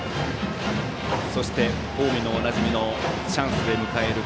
そして、近江のおなじみのチャンス出迎える